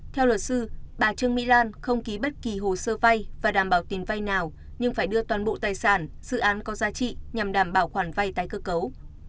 theo luật sư bà trương mỹ lan không ký bất kỳ hồ sơ vay và đảm bảo tiền vay nào nhưng phải đưa toàn bộ tài sản dự án có giá trị nhằm đảm bảo khoản vay tái cơ cấu